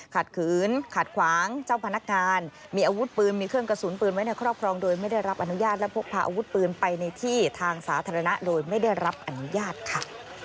ขืนขัดขวางเจ้าพนักงานมีอาวุธปืนมีเครื่องกระสุนปืนไว้ในครอบครองโดยไม่ได้รับอนุญาตและพกพาอาวุธปืนไปในที่ทางสาธารณะโดยไม่ได้รับอนุญาตค่ะ